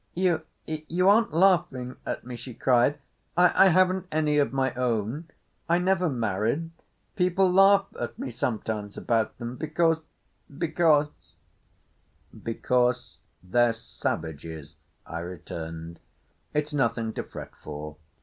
"You—you aren't laughing at me," she cried. "I—I haven't any of my own. I never married. People laugh at me sometimes about them because—because———" "Because they're savages," I returned. "It's nothing to fret for.